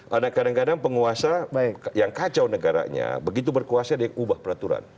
karena kadang kadang penguasa yang kacau negaranya begitu berkuasa dia ubah peraturan